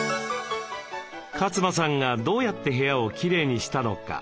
勝間さんがどうやって部屋をきれいにしたのか？